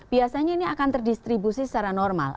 biasanya ini akan terdistribusi secara normal